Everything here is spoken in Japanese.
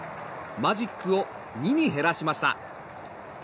マジックを２に減らしました。